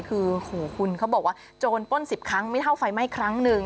คือโหคุณเขาบอกว่าโจรป้น๑๐ครั้งไม่เท่าไฟไหม้ครั้งหนึ่ง